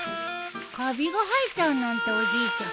かびが生えちゃうなんておじいちゃん